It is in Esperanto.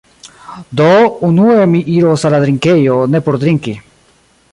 Do, unue mi iros al la drinkejo ne por drinki